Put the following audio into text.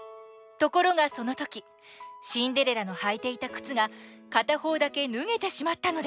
ところがそのときシンデレラのはいていたくつがかたほうだけぬげてしまったのです